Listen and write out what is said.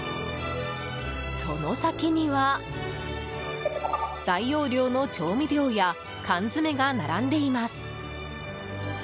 その先には、大容量の調味料や缶詰が並んでいます。